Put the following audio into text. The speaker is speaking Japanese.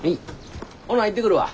ほな行ってくるわ。